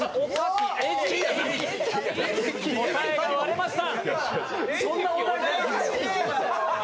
答えが割れました。